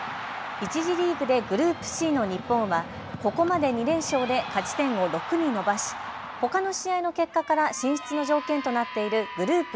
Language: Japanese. １次リーグでグループＣの日本はここまで２連勝で勝ち点を６に伸ばし、ほかの試合の結果から進出の条件となっているグループ